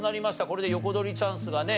これで横取りチャンスがね